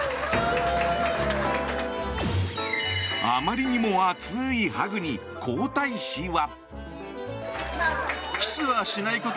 あまりにも熱いハグに皇太子は。